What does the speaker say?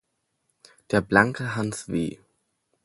Der Blanke Hans w